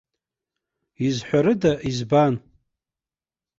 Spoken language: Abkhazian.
Изҳәарыда избан?